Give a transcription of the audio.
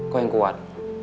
kau yang kuat